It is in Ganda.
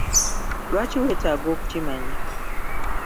Lwaki weetaaga okukimanya?